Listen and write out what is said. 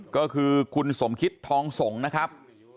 ก็คือคุณสมคิตทองสงฆ์นะครับ